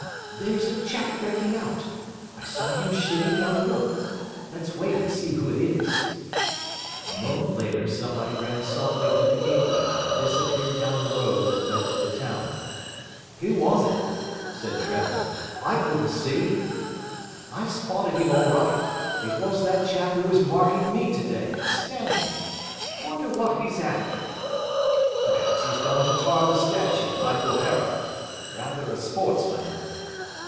"There's a chap breaking out. I saw him shinning down a rope. Let's wait, and see who it is." A moment later somebody ran softly through the gateway and disappeared down the road that led to the town. "Who was it?" said Trevor. "I couldn't see." "I spotted him all right. It was that chap who was marking me today, Stanning. Wonder what he's after. Perhaps he's gone to tar the statue, like O'Hara. Rather a sportsman."